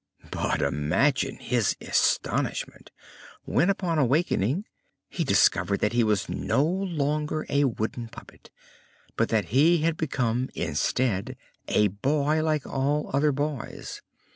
But imagine his astonishment when upon awakening he discovered that he was no longer a wooden puppet, but that he had become instead a boy, like all other boys.